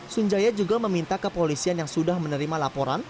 sunjaya juga meminta kepolisian yang sudah menerima laporan